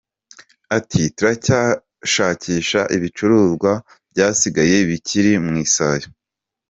Ati “Turacyashakisha ibicuruzwa byasigaye bikiri mu isayo.